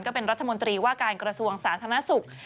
ก็เป็นรัฐมนตรีว่าการกระทรวงสาธารณสุข